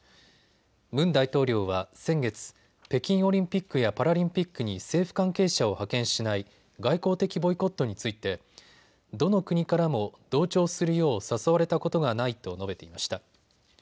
ムン大統領は先月、北京オリンピックやパラリンピックに政府関係者を派遣しない外交的ボイコットについてどの国からも同調するよう誘われたことがないと述べていました。